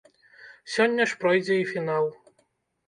Сёння ж пройдзе і фінал.